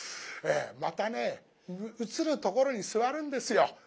またね映るところに座るんですよ。